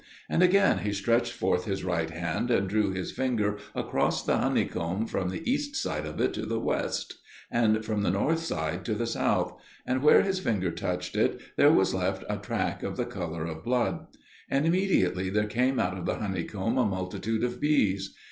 And again he stretched forth his right hand and drew his finger across the honeycomb from the east side of it to the west, and from the north side to the south, and where his finger touched it there was left a track of the colour of blood. And immediately there came out of the honeycomb a multitude of bees.